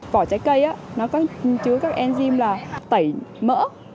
vỏ trái cây nó có chứa các enzim là tẩy mỡ